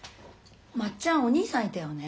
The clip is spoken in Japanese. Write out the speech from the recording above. まっちゃんお兄さんいたよね？